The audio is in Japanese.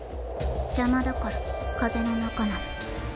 邪魔だから風の中なの。